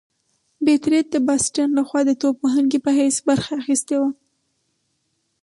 بېب رت د باسټن لخوا د توپ وهونکي په حیث برخه اخیستې وه.